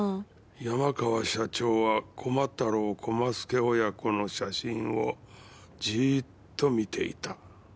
山川社長は駒太郎駒輔親子の写真をじーっと見ていた。